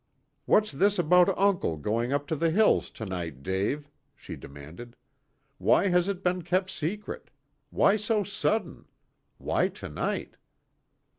"What's this about uncle going up to the hills to night, Dave?" she demanded. "Why has it been kept secret? Why so sudden? Why to night?"